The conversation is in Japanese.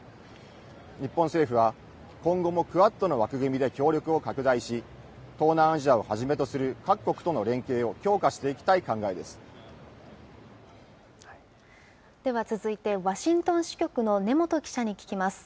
日本政府は、今後もクアッドの枠組みで協力を拡大し、東南アジアをはじめとする各国との連携を強化していきたい考えででは続いて、ワシントン支局の根本記者に聞きます。